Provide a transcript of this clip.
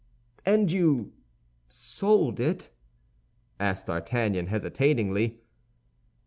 "And you—sold it?" asked D'Artagnan, hesitatingly.